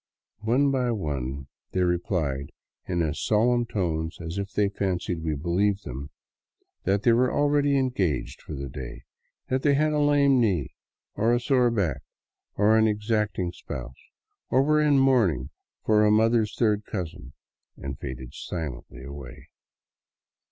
One by one they re plied in as solemn tones as if they fancied we believed them, that they were already engaged for the day, that they had a lame knee, or a sore back, or an exacting spouse, or were in mourning for a mother's third cousin, and faded silently away.